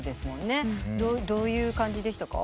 どういう感じでしたか？